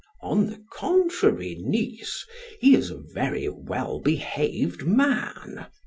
"On the contrary, niece, he is a very well behaved man.